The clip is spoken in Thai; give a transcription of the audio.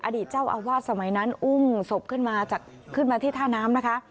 อดีตเจ้าอาวาสสมัยนั้นอุ้มศพขึ้นมาจากขึ้นมาที่ท่าน้ำนะคะ